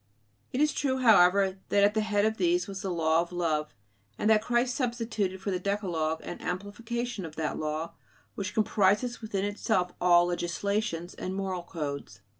It is true, however, that at the head of these was the "law" of love; and that Christ substituted for the Decalogue an amplification of that law, which comprises within itself all legislations and moral codes.